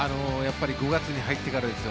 ５月に入ってからですよ